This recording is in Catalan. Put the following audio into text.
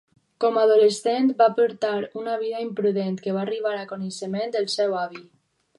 Com adolescent, va portar una vida imprudent, que va arribar a coneixement del seu avi.